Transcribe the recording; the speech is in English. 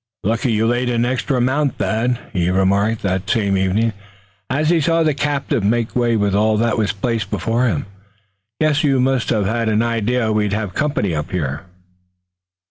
"Lucky you laid in an extra amount, Thad," he remarked that same evening, as he saw the captive make way with all that was placed before him. "Guess you must have had an idea we'd have company up here."